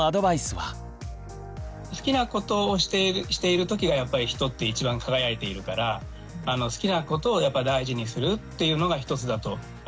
好きなことをしているときがやっぱり人って一番輝いているから好きなことを大事にするっていうのが一つだとやっぱ思いますね。